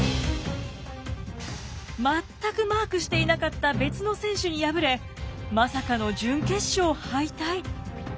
全くマークしていなかった別の選手に敗れまさかの準決勝敗退。